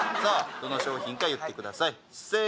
どの商品か言ってくださいせー